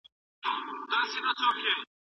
د پوهانو نظریات د څیړنو لپاره اخستل کیږي.